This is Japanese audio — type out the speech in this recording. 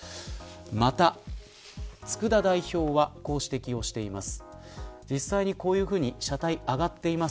また、佃代表はこう指摘しています。